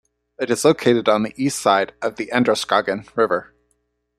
It is located on the east side of the Androscoggin River.